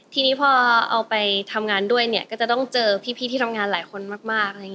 ทีนี้พอเอาไปทำงานด้วยเนี่ยก็จะต้องเจอพี่ที่ทำงานหลายคนมาก